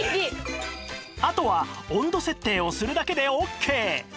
あとは温度設定をするだけでオッケー